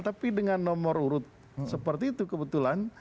tapi dengan nomor urut seperti itu kebetulan